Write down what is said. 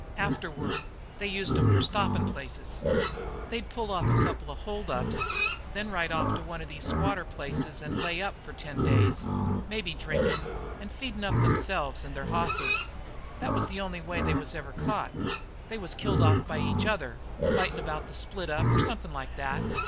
Afterward they used 'em for stoppin' places. "They'd pull off a couple of hold ups, then they'd ride off to one of these squatter places and lay up for ten days, maybe, drinkin' and feedin' up themselves and their hosses. That was the only way they was ever caught. They was killed off by each other, fighting about the split up, or something like that.